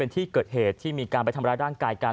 ที่เกิดเหตุที่มีการไปทำร้ายร่างกายกัน